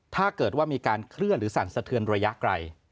ถ้าเกิดว่ามีการเคลื่อนหรือสั่นสะเทือนระยะไกล